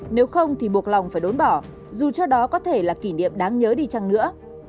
nếu không thì buộc lòng phải đốn bỏ dù cho đó có thể là kỷ niệm đáng nhớ đi chăng nữa